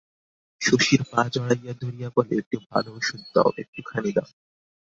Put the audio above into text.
শশীর পা জড়াইয়া ধরিয়া বলে, একটু ভালো ওষুধ দাও, একটুখানি দাও।